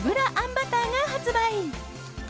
バターが発売！